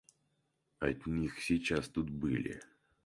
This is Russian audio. От них сейчас тут были.